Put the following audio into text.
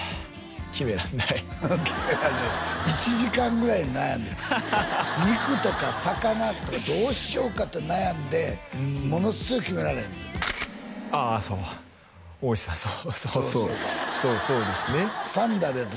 決めらんない決められない１時間ぐらい悩んで肉とか魚どうしようかって悩んでものすごい決められへんてああそう大石さんそうそうそうですね